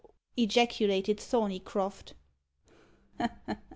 ejaculated Thorneycroft.